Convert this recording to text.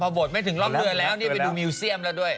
บทไม่ถึงรอบเดือนแล้วนี่ไปดูมิวเซียมแล้วด้วย